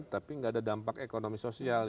tapi nggak ada dampak ekonomi sosial